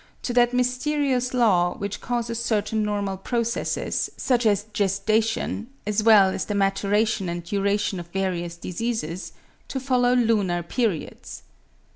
to that mysterious law, which causes certain normal processes, such as gestation, as well as the maturation and duration of various diseases, to follow lunar periods.